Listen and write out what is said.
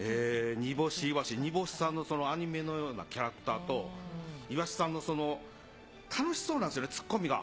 にぼしいわし、にぼしさんのそのアニメのようなキャラクターと、いわしさんの、その楽しそうなんですよね、つっこみが。